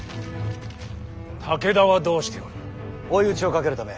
武田はどうしておる。